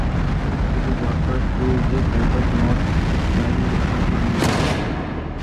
It is broadcasted throughout the state of North Rhine-Westphalia.